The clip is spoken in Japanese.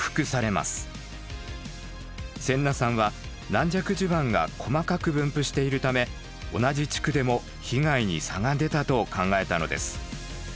先名さんは軟弱地盤が細かく分布しているため同じ地区でも被害に差が出たと考えたのです。